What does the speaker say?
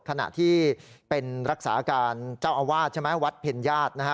ขณะที่เป็นรักษาการเจ้าอาวาสใช่ไหมวัดเพ็ญญาตินะฮะ